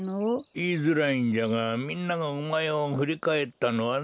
いいづらいんじゃがみんながおまえをふりかえったのはな。